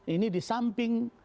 ini di samping